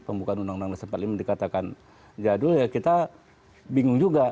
pembukaan undang undang dasar empat puluh lima dikatakan jadul ya kita bingung juga